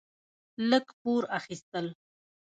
لږ پور اخيستل: